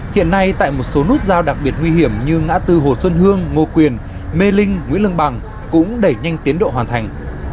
hiện nay tại một số nút giao đặc biệt nguy hiểm như ngã tư hồ xuân hương ngô quyền mê linh nguyễn lương bằng cũng đẩy nhanh tiến độ hoàn thành